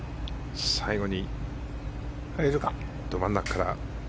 最後にド真ん中から。